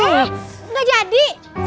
eh nggak jadi